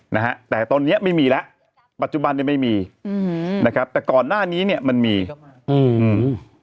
นะฮะแต่ตอนเนี้ยไม่มีแล้วปัจจุบันเนี้ยไม่มีอืมนะครับแต่ก่อนหน้านี้เนี้ยมันมีอืมอืม